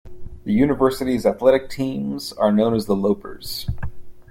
The university's athletic teams are known as the Lopers.